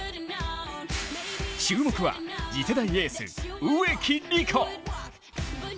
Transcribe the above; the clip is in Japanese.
注目は次世代エース植木理子。